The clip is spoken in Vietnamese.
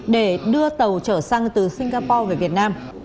để đưa tàu trở xăng từ singapore về việt nam